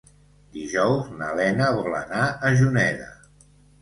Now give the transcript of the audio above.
Dijous na Lena vol anar a Juneda.